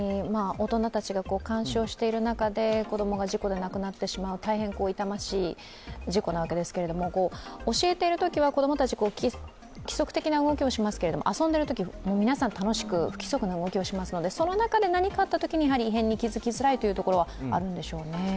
大人たちが監視をしている中で子供が事故で亡くなってしまう大変痛ましい事故なわけですけれども教えているときは子供たち、規則的な動きをしますけれど遊んでいるとき、皆さん、楽しく、不規則な動きをしますので、その中で何かあったときに異変に気付きづらいということはあるんでしょうね。